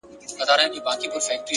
صبر د بریا د پخېدو وخت ساتي!.